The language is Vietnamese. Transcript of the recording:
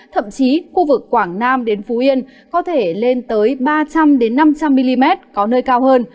thậm chí khu vực quảng nam đến phú yên có thể lên tới ba trăm linh năm trăm linh mm có nơi cao hơn